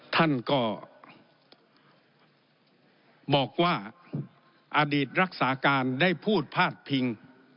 ท่านก็บอกว่าอดีตรักษาการได้พูดพาดพิง